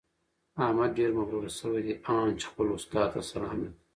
احمد ډېر مغروره شوی دی؛ ان چې خپل استاد ته سلام نه کوي.